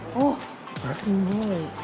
すごい。